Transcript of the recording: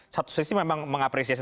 satu sisi memang mengapresiasi